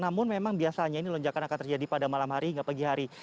namun memang biasanya ini lonjakan akan terjadi pada malam hari hingga pagi hari